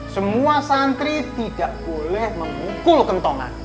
semua santri tidak boleh memukul kentongan